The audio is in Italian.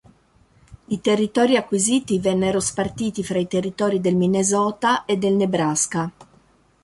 I territori acquisiti vennero spartiti fra i Territori del Minnesota e del Nebraska.